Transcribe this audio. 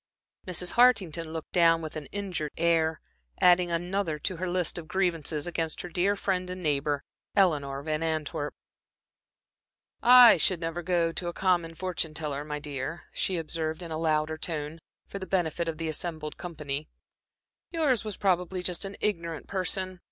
Mrs. Hartington looked down with an injured air, adding another to her list of grievances against her dear friend and neighbor, Eleanor Van Antwerp. "I should never go to a common fortune teller, my dear," she observed in a louder tone, for the benefit of the assembled company. "Yours was probably just an ignorant person.